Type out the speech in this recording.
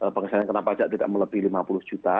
penghasilan yang kena pajak tidak melebih rp lima puluh juta